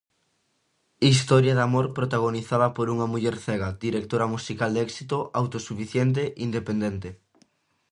Historia de amor protagonizada por unha muller cega, directora musical de éxito, autosuficiente, independente.